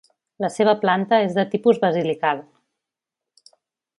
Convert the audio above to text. La seva planta és de tipus basilical.